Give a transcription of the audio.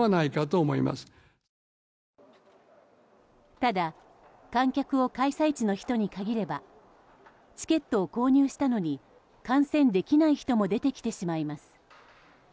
ただ、観客を開催地の人に限ればチケットを購入したのに観戦できない人も出てきてしまいます。